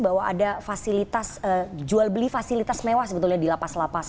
bahwa ada fasilitas jual beli fasilitas mewah sebetulnya di lapas lapas